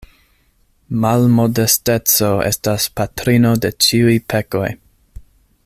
Malmodesteco estas patrino de ĉiuj pekoj.